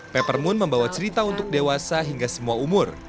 peppermint membawa cerita untuk dewasa hingga semua umur